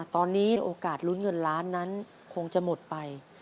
ตอนนี้โอกาสลุ้นเงินล้านนั้นคงจะหมดไป